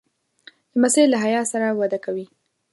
لمسی له حیا سره وده کوي.